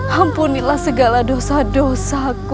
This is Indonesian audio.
kemen pula sangat terlewat dalam pendapat aku